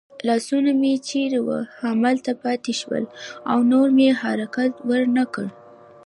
لاسونه مې چېرې وو همالته پاتې شول او نور مې حرکت ور نه کړ.